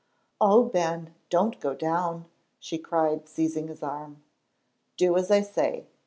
"Oh, Ben, don't go down," she cried, seizing his arm. "Do as I say."